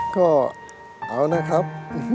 ก็เอานะครับ